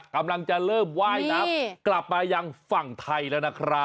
กำลังจะเริ่มว่ายน้ำกลับมายังฝั่งไทยแล้วนะครับ